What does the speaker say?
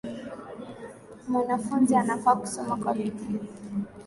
Mwanafunzi anafaa kusoma kwa bidii.